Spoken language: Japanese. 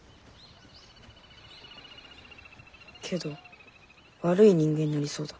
けど悪い人間になりそうだ。